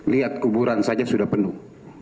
lihat kuburan saja sudah penuh